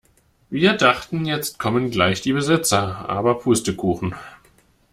Wir dachten, jetzt kommen gleich die Besitzer, aber Pustekuchen.